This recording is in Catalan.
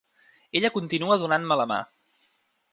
Ella continua donant-me la mà.